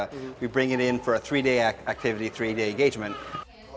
kami membawa ini untuk aktivitas tiga hari untuk penggunaan tiga hari